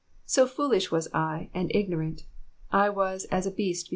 • 22 So foolish was I, and ignorant : I was as a beast before thee.